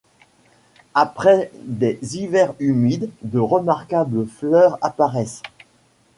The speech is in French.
Après des hivers humides, de remarquables fleurs apparaissent.